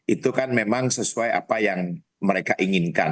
itu kan memang sesuai apa yang mereka inginkan